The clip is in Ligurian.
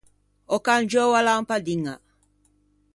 Ò cangiou a lampadiña.